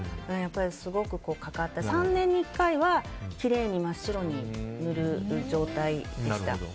すごくかかって、３年に１回はきれいに真っ白に塗る状態でした。